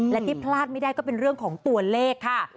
และที่พลาดไม่ได้ก็เป็นเรื่องของตัวเลขค่ะ